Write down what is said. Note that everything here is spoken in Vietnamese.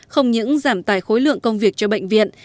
không những giảm tài khối lượng công việc cho bệnh viện